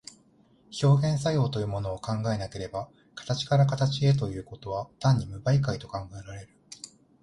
表現作用というものを考えなければ、形から形へということは単に無媒介と考えられる。